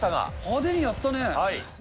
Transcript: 派手にやったね。